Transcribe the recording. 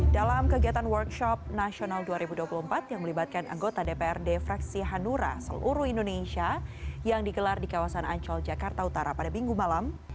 dalam kegiatan workshop nasional dua ribu dua puluh empat yang melibatkan anggota dprd fraksi hanura seluruh indonesia yang digelar di kawasan ancol jakarta utara pada minggu malam